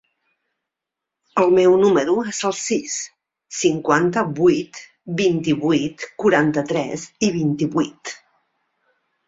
El meu número es el sis, cinquanta-vuit, vint-i-vuit, quaranta-tres, vint-i-vuit.